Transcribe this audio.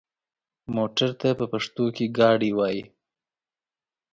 موټر ته په پښتو کې ګاډی وايي.